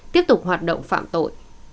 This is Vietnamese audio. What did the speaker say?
tiếp tục hoạt động phạm tội